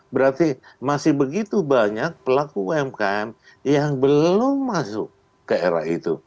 berarti masih begitu banyak pelaku umkm yang belum masuk ke era itu